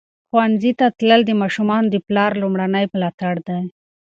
ښوونځي ته تلل د ماشومانو د پلار لومړنی ملاتړ دی.